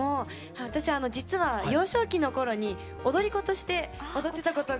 私実は幼少期の頃に踊り子として踊ってたことが。